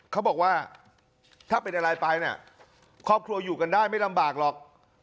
เขาบอกว่าถ้าเป็นอะไรไปเนี่ยครอบครัวอยู่กันได้ไม่ลำบากหรอก